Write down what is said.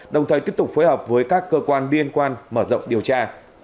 đồng thời tiếp tục phối hợp với các cơ quan liên quan mở rộng điều tra